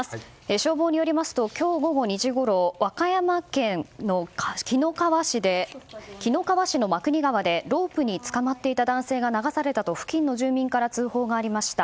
消防によりますと今日午後２時ごろ和歌山県の紀の川市の真国川でロープにつかまっていた男性が流されたと付近の住民から通報がありました。